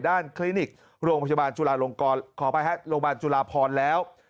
คลินิกโรงพยาบาลจุลาลงกรขออภัยฮะโรงพยาบาลจุลาพรแล้ว